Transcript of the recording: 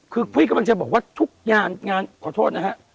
คือพี่กำลังจะบอกว่าทุกงานงานขอโทษนะฮะ